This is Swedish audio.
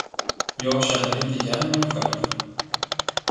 Jag känner inte igen mig själv.